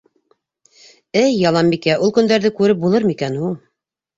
Эй, Яланбикә, ул көндәрҙе күреп булырмы икән һуң?